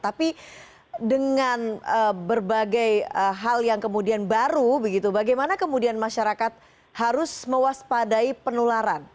tapi dengan berbagai hal yang kemudian baru bagaimana kemudian masyarakat harus mewaspadai penularan